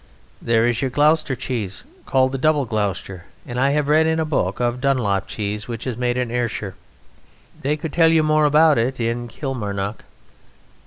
There is your Gloucester cheese called the Double Gloucester, and I have read in a book of Dunlop cheese, which is made in Ayrshire: they could tell you more about it in Kilmarnock.